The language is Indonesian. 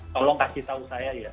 tolong kasih tahu saya ya